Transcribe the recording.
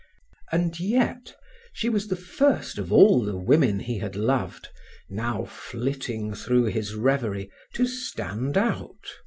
And yet she was the first of all the women he had loved, now flitting through his revery, to stand out.